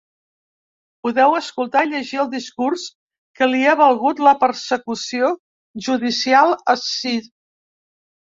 Podeu escoltar i llegir el discurs que li ha valgut la persecució judicial ací.